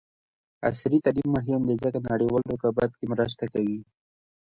عصري تعلیم مهم دی ځکه چې نړیوال رقابت کې مرسته کوي.